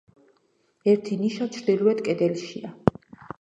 ერთი ნიშა ჩრდილოეთ კედელშია.